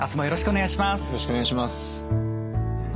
よろしくお願いします。